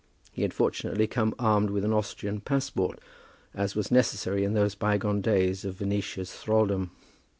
He had fortunately come armed with an Austrian passport, as was necessary in those bygone days of Venetia's thraldom.